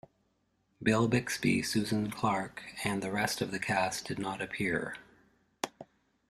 Bill Bixby, Susan Clark, and the rest of the cast did not appear.